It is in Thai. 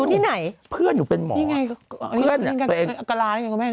กะลานี่ไงกับแม่